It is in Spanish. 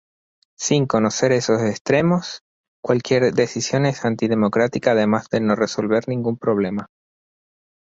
Sin conocer esos extremos cualquier decisión es antidemocrática además de no resolver ningún problema.